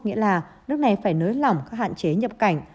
nghĩa là nước này phải nới lỏng các hạn chế nhập cảnh